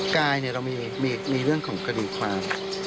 กายเนี่ยเรามีเรื่องของกฎีความ